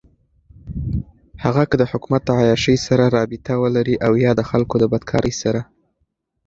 هغــه كه دحــكومت دعيــاشۍ سره رابطه ولري اويا دخلـــكو دبدكارۍ سره.